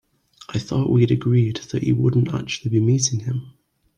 I thought we'd agreed that you wouldn't actually be meeting him?